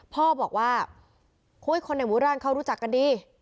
พ่อบอกว่าคนในหมู่บ้านเขารู้จักกันดี